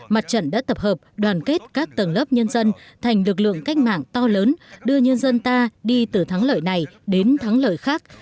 mặt trận đã tập hợp đoàn kết các tầng lớp nhân dân thành lực lượng cách mạng to lớn đưa nhân dân ta đi từ thắng lợi này đến thắng lợi khác